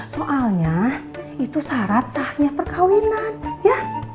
soalnya itu syarat sahnya perkawinan ya